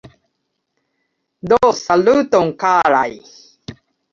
Do saluton, karaj!